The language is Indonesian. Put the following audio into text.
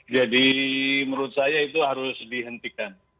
jadi menurut saya itu harus dihentikan